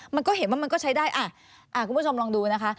มันก็เห็นว่ามันก็ใช้ได้คุณผู้ชมลองดูนะคะ